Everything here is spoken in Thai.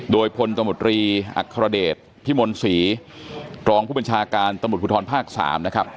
โดยพลตมตรีอัครเดชน์พี่มนต์ศรีกรองผู้บัญชาการตมตรภูทรภาคสามนะครับ